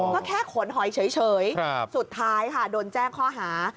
ก็แค่ขนหอยเฉยสุดท้ายค่ะโดนแจ้งข้อหา